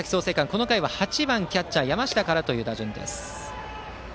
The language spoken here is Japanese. この回は８番、キャッチャーの山下からの打順。